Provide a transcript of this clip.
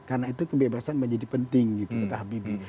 karena itu kebebasan menjadi penting gitu pak habibie